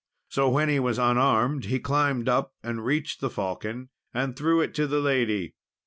So when he was unarmed, he climbed up and reached the falcon, and threw it to the lady.